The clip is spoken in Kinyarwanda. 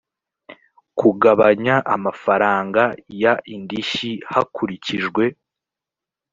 kugabanya amafaranga y indishyi hakurikijwe